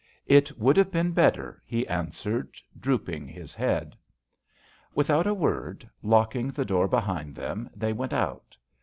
" It would have been better/ he answered, drooping his head. Without a word, locking the poor behind them, they went put.